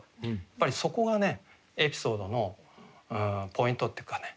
やっぱりそこがねエピソードのポイントっていうかね